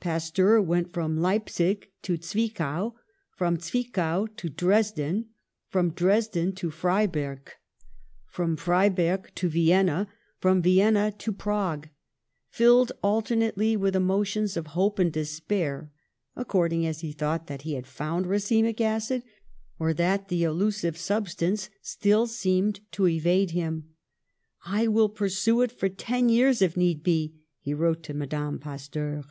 Pasteur went from Leipzig to Zwichau, from Zwichau to Dresden, from Dresden to Freiberg, from Freiberg to Vienna, from Vienna to Prague, filled alternately with emotions of hope and despair, according as he thought that he had found racemic acid, or that the elusive sub stance still seemed to evade him. ^'I will pur sue it for ten years, if need be," he wrote to Mme Pasteur.